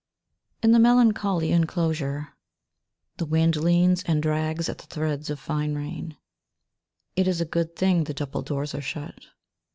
TN the melancholy enclosure The wind leans, and drags at the threads of fine rain. It is a good thing the double doors are shut.